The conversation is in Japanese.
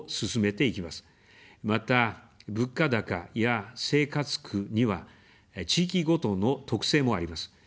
また、物価高や生活苦には地域ごとの特性もあります。